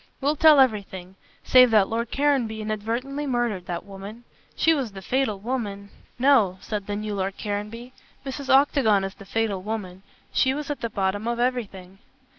"We'll tell everything, save that Lord Caranby inadvertently murdered that woman. She was the fatal woman " "No," said the new Lord Caranby, "Mrs. Octagon is the fatal woman. She was at the bottom of everything."